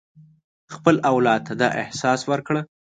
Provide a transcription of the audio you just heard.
خپل اولاد ته دا احساس ورکړه.